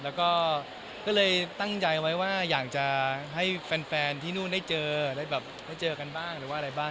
แล้วก็ก็เลยตั้งใจไว้ว่าอยากจะให้แฟนที่นู่นได้เจอได้แบบได้เจอกันบ้างหรือว่าอะไรบ้าง